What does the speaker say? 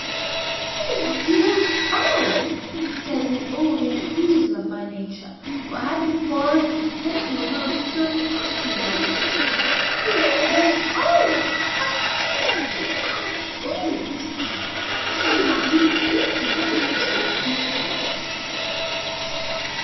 "It is Guido's own!" I said, with all the enthusiasm of my nature, for I had been poring intently over its surpassing loveliness. "It is Guido's own!—how could you have obtained it?—she is undoubtedly in painting what the Venus is in sculpture."